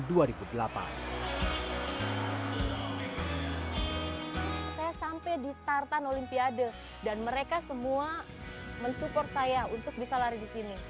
saya sampai di startan olimpiade dan mereka semua mensupport saya untuk bisa lari disini